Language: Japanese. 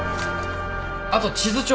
あと地図帳。